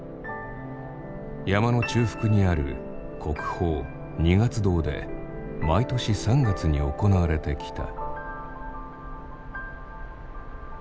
山の中腹にある国宝二月堂で毎年３月に行われてきた。